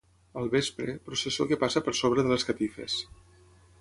Al vespre, processó que passa per sobre de les catifes.